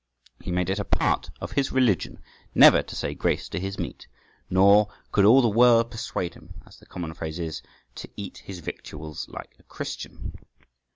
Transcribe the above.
He made it a part of his religion never to say grace to his meat, nor could all the world persuade him, as the common phrase is, to eat his victuals like a Christian {145b}.